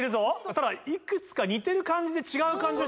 ただいくつか似てる漢字で違う漢字も。